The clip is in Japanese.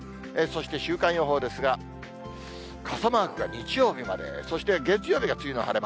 そして週間予報ですが、傘マークが日曜日まで、そして月曜日が梅雨の晴れ間。